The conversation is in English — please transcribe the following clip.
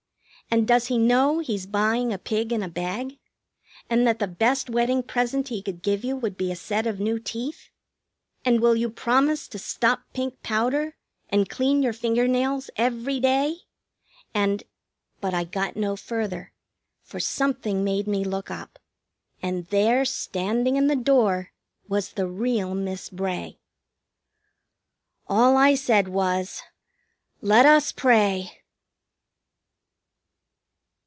And does he know he's buying a pig in a bag, and that the best wedding present he could give you would be a set of new teeth? And will you promise to stop pink powder and clean your finger nails every day? And " But I got no further, for something made me look up, and there, standing in the door, was the real Miss Bray. All I said was "Let us pray!"